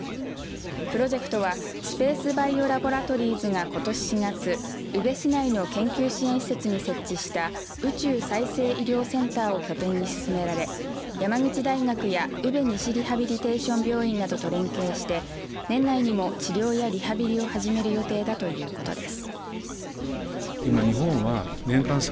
プロジェクトはスペース・バイオ・ラボラトリーズがことし４月、宇部市内の研究支援施設に設置した宇宙再生医療センターを拠点に進められ山口大学や宇部西リハビリテーション病院などと連携して年内にも治療やリハビリを始める予定だということです。